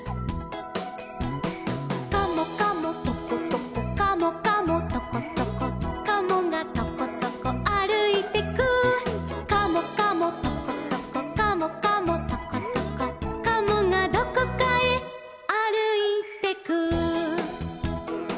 「カモカモトコトコカモカモトコトコ」「カモがトコトコあるいてく」「カモカモトコトコカモカモトコトコ」「カモがどこかへあるいてく」